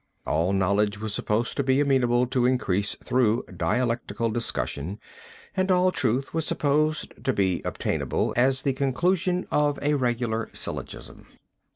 All knowledge was supposed to be amenable to increase through dialectical discussion and all truth was supposed, to be obtainable as the conclusion of a regular syllogism."